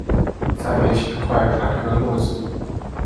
再被秦桧弹劾落职。